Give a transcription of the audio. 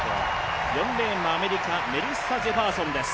４レーンもアメリカ、メリッサ・ジェファーソンです。